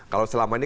kalau selama ini